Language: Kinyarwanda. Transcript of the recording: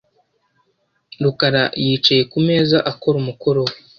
rukara yicaye ku meza akora umukoro we .